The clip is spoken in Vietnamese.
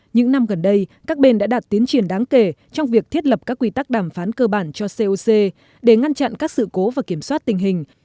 những năm gần đây các bên đã đạt tiến triển đáng kể trong việc thiết lập các quy tắc đàm phán cơ bản cho coc để ngăn chặn các sự cố và kiểm soát tình hình